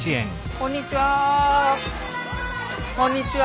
こんにちは。